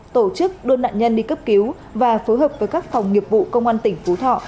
tổ chức đưa nạn nhân đi cấp cứu và phối hợp với các phòng nghiệp vụ công an tỉnh phú thọ